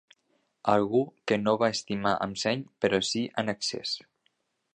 Algú que no va estimar amb seny però sí en excés